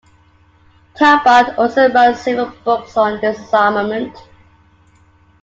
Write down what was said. Talbott also wrote several books on disarmament.